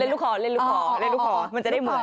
เล่นลูกห่อมันจะได้เหมือน